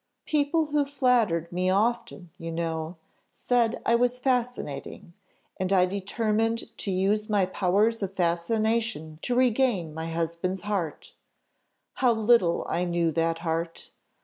"People who flattered me often, you know, said I was fascinating, and I determined to use my powers of fascination to regain my husband's heart; how little I knew that heart!